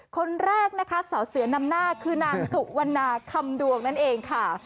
คนแรกนะคะสาวเสือนำหน้าคือนางสุวรรณาคำดวงนั่นเองค่ะ